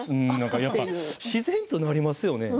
やっぱ自然となりますよね。